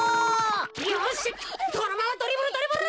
よしこのままドリブルドリブル！